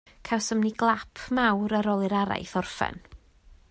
Cawsom ni glap mawr ar ôl i'r araith orffen